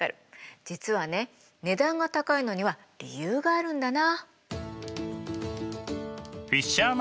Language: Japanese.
実はね値段が高いのには理由があるんだな。